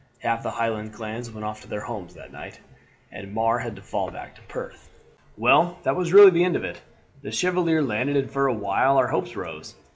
Half the Highland clans went off to their homes that night, and Mar had to fall back to Perth. "Well, that was really the end of it. The Chevalier landed, and for a while our hopes rose.